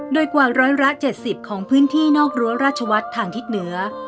โดยกว่า๑๗๐ของพื้นที่นอกรั้วราชวัฒน์ทางทิศเหนือ